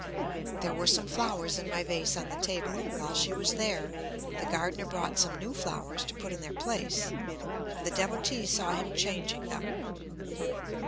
There were some flowers in my vase on the table. While she was there, the gardener brought some new flowers to put in their place. The Devotee saw him changing them.